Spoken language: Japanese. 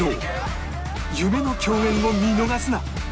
夢の共演を見逃すな！